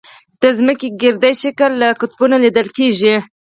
د ځمکې ګردي شکل له قطبونو لیدل کېږي.